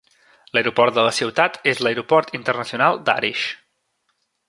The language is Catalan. L'aeroport de la ciutat és l'Aeroport Internacional d'Arish.